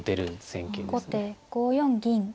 後手５四銀。